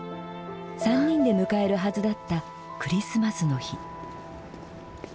３人で迎えるはずだったクリスマスの日。